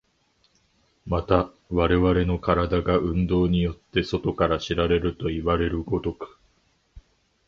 また我々の身体が運動によって外から知られるといわれる如く、